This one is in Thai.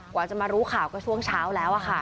กว่าจะมารู้ข่าวก็ช่วงเช้าแล้วค่ะ